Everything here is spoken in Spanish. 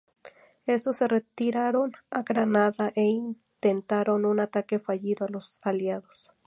Estos se retiraron a Granada e intentaron un ataque fallido a los aliados.